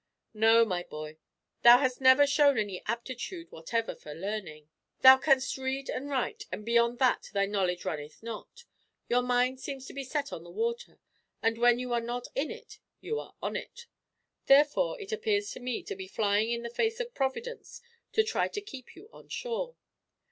"No, my boy; thou hast never shown any aptitude whatever for learning. Thou canst read and write, but beyond that thy knowledge runneth not. Your mind seems to be set on the water, and when you are not in it you are on it. Therefore it appears, to me, to be flying in the face of Providence to try to keep you on shore.